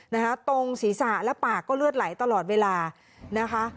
นะคะตรงศีรษะและปากก็เลือดไหลตลอดเวลานะคะ